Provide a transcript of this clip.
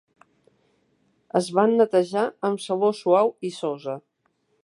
Es van netejar amb sabó suau i sosa.